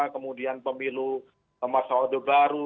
kemudian pemilu masa odeh baru